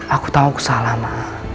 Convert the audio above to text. aku tahu aku salah ma